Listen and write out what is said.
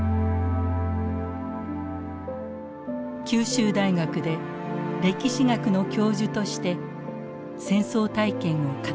九州大学で歴史学の教授として戦争体験を語り続けました。